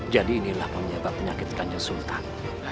jadi inilah penyebab penyakit ganja sultan